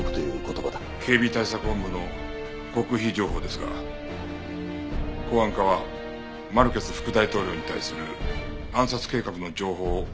警備対策本部の極秘情報ですが公安課はマルケス副大統領に対する暗殺計画の情報を入手しています。